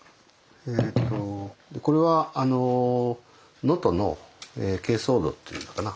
これは能登の珪藻土っていうのかな。